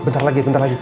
bentar lagi bentar lagi